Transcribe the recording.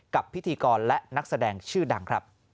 กับพิธีกรและนักแสดงชื่อดัง